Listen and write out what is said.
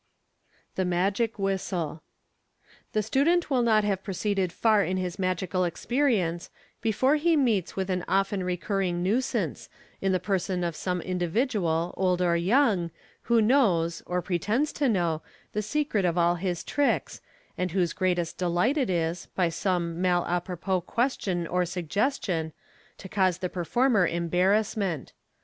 The Magic Whistle. — The student will not have proceeded far in his magical experience before he meets with an often recurring nuisance, in the person of some individual, old or young, who knows, or pretends to know, the secret of all his tricks, and whose greatest delight it is, by some mal a propos question or suggestion, to cause the performer embarrassment.